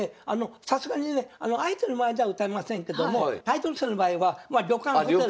さすがにね相手の前では歌いませんけどもタイトル戦の場合は旅館ホテル。